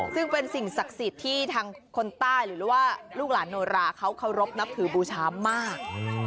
ซึ่งเป็นสิ่งศักดิ์สิทธิ์ที่ทางคนใต้หรือว่าลูกหลานโนราเขาเคารพนับถือบูชามาก